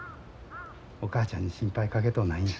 お母ちゃんに心配かけとうないんや。